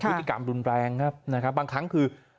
พฤติกรรมรุนแรงครับนะครับบางครั้งคือ